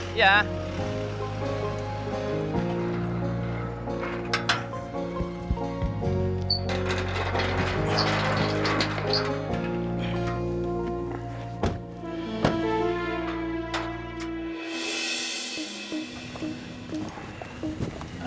tidak ada kerja ya